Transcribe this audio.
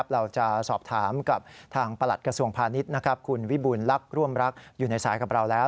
เราจะสอบถามกับทางประหลัดกระทรวงพาณิชย์คุณวิบูลลักษณ์ร่วมรักอยู่ในสายกับเราแล้ว